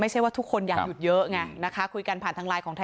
ไม่ใช่ว่าทุกคนอยากหยุดเยอะไงนะคะ